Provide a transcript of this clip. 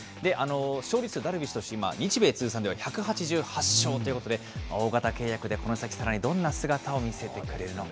勝利数、ダルビッシュ投手、日米通算では１８８勝ということで、大型契約で、この先、さらにどんな姿を見せてくれるのか。